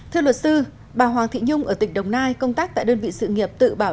thưa luật sư bà hoàng thị nhung ở tỉnh đồng nai công tác tại đơn vị sự nghiệp tự bảo